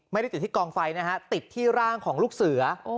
ไม่ได้ติดที่กองไฟนะฮะติดที่ร่างของลูกเสือ